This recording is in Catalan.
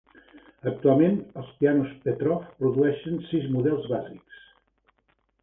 Actualment, els pianos Petrof produeixen sis models bàsics.